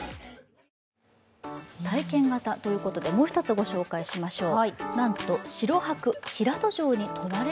体験型ということで、もう一つご紹介しましょう。